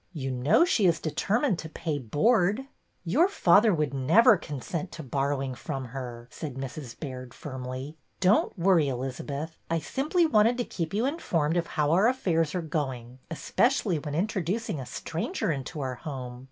You know she is determined to pay board." '' Your father would never consent to borrow ing from her," said Mrs. Baird, firmly. Don't worry, Elizabeth. I simply wanted to keep you informed of how our affairs are going, especially when introducing a stranger into our home.